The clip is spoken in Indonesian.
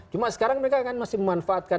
cuma sekarang mereka kan masih memanfaatkan